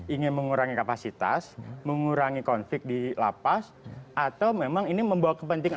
ingin mengurangi kapasitas mengurangi konflik di lapas atau memang ini membawa kepentingan